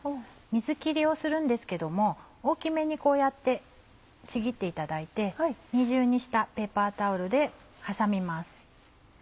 水切りをするんですけども大きめにこうやってちぎっていただいて二重にしたペーパータオルで挟みます。